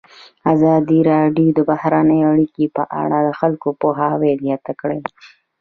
ازادي راډیو د بهرنۍ اړیکې په اړه د خلکو پوهاوی زیات کړی.